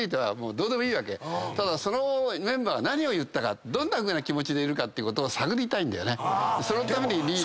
ただメンバーは何を言ったかどんなふうな気持ちでいるかってことを探りたいんだよね。